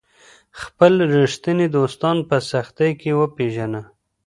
خپل ریښتیني دوستان په سختۍ کي وپیژنه.